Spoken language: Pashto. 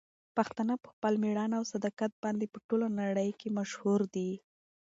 پښتانه په خپل مېړانه او صداقت باندې په ټوله نړۍ کې مشهور دي.